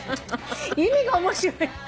意味が面白い。